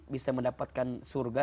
bisa mendapatkan surga